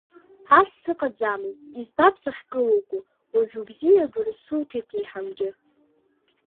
Ас сыҟаӡамызт, избап сахькылуго, уажә убзиабара суҭеит еиҳангьы.